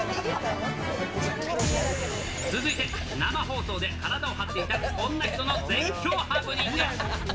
続いて、生放送で体を張っていたこんな人の絶叫ハプニング。